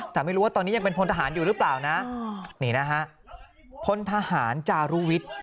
แต่ไม่รู้ว่าตอนนี้ยังเป็นพลทหารอยู่หรือเปล่านะนี่นะฮะพลทหารจารุวิทย์